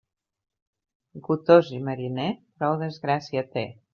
Gotós i mariner, prou desgràcia té.